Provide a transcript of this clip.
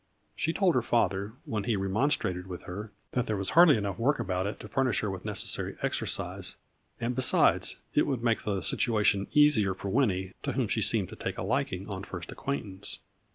She told her father, when he remonstrated with her, that there was hardly enough work about it to furnish her with necessary exercise, and, besides, it would make the situation easier for Winnie, to whom she seemed to take a liking on first ac quaintance.